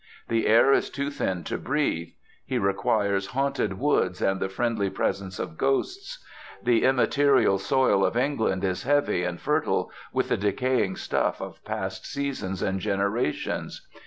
The air is too thin to breathe. He requires haunted woods, and the friendly presence of ghosts. The immaterial soil of England is heavy and fertile with the decaying stuff of past seasons and generations.